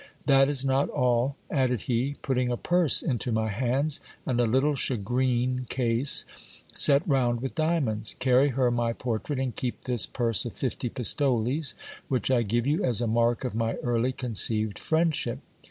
That is not all, added he, putting a purse into my hands and a little shagreen case set round with diamonds ; carry her my portrait, and keep this purse of fifty pistoles, which I give you as a mark of my early conceived friendship.